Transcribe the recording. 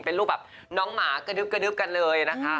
เป็นรูปแบบน้องหมากระดึ๊บกระดึ๊บกันเลยนะคะ